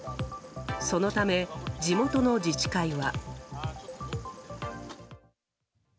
そのため、地元の自治会は。